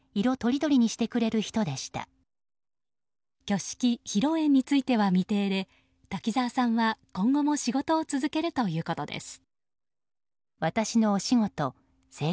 挙式・披露宴については未定で滝沢さんは今後も仕事を続けるということです。